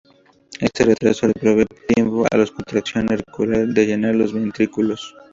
Este retraso le provee tiempo a la contracción auricular de llenar los ventrículos.